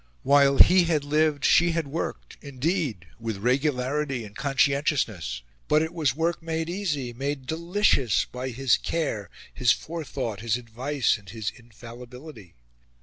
While he had lived, she had worked, indeed, with regularity and conscientiousness; but it was work made easy, made delicious, by his care, his forethought, his advice, and his infallibility.